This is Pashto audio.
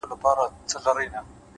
هره پوښتنه د نوې دروازې کلی ده’